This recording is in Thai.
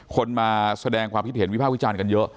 คนมาแสดงความคิดเห็นวิภาควิจารณ์กันเยอะ